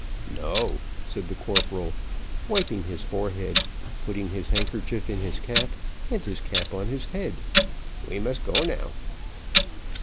"No," said the corporal, wiping his forehead, putting his handkerchief in his cap, and his cap on his head; "we must go now."